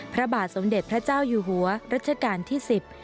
พระบาทสมเด็จพระเจ้าอยู่หัวรัชกาลที่สิบ